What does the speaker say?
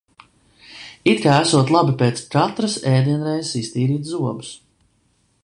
It kā esot labi pēc katras ēdienreizes iztīrīt zobus.